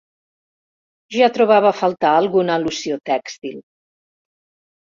Ja trobava a faltar alguna al·lusió tèxtil.